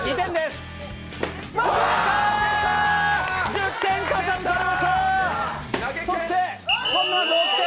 １０点加算されました！